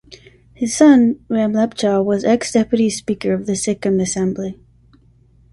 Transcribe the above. His son Ram Lepcha was ex deputy speaker of the Sikkim assembly.